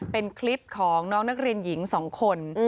เป็นคลิปของน้องนักเรียนหญิง๒คน